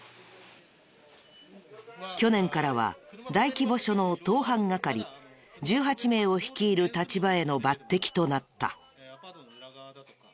去年からは大規模署の盗犯係１８名を率いる立場への抜擢となった。